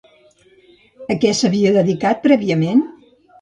A què s'havia dedicat prèviament?